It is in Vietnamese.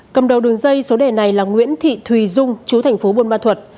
cầm đầu đường dây số đề này là nguyễn thị thùy dung chú thành phố buôn ma thuật